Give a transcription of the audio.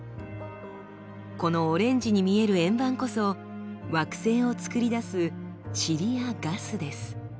このオレンジに見える円盤こそ惑星をつくり出すチリやガスです。